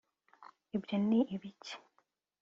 ibyo ni ibiki